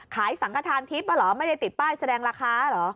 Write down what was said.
สังขทานทิพย์เหรอไม่ได้ติดป้ายแสดงราคาเหรอ